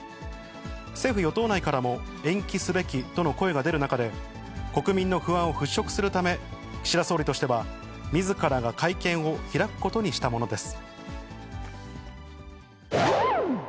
政府・与党内からも、延期すべきとの声が出る中で、国民の不安を払拭するため、岸田総理としてはみずからが会見を開くことにしたものです。